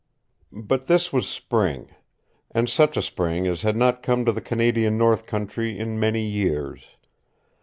But this was spring. And such a spring as had not come to the Canadian north country in many years.